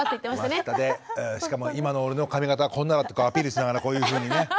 しかも今の俺の髪形はこんなだとかアピールしながらこういうふうにね。